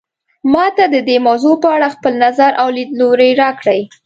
ما ته د دې موضوع په اړه خپل نظر او لیدلوری راکړئ